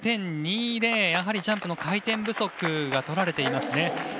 やはりジャンプの回転不足がとられていますね。